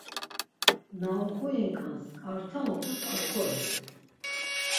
Na uxuinǩans ǩarta mutus astolit!